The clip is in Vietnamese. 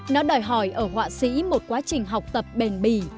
nó đòi hỏi ở họa sĩ một quá trình học tập bền bì